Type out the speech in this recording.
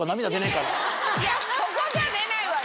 いやここじゃ出ないわよ！